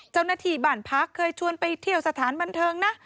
เจ้าหน้าที่บ้านพักเคยชวนไปเที่ยวสถานบันเทิงนะ